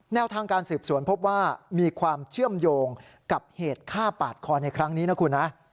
แนวทางการสืบสวนพบว่ามีความเชื่อมโยงกับเหตุฆ่าปาดคอในครั้งนี้นะคุณนะ